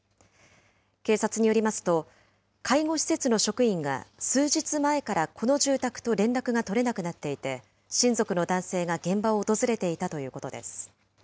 警察によりますと、介護施設の職員が数日前からこの住宅と連絡が取れなくなっていて、親族の男性が現場を訪れていたということです。